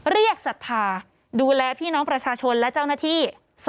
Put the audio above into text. ศรัทธาดูแลพี่น้องประชาชนและเจ้าหน้าที่